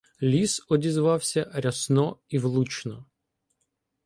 Ліс одізвався рясно і влучно.